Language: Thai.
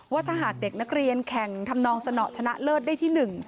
ว่าถ้าหากเด็กนักเรียนแข่งทำนองสนอชนะเลิศได้ที่๑